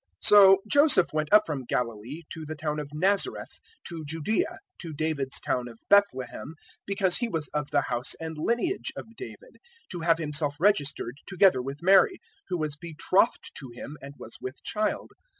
002:004 So Joseph went up from Galilee, from the town of Nazareth, to Judaea, to David's town of Bethlehem, because he was of the house and lineage of David, 002:005 to have himself registered together with Mary, who was betrothed to him and was with child.